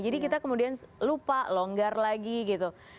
jadi kita kemudian lupa longgar lagi gitu